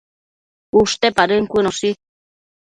ushte padën cuënoshi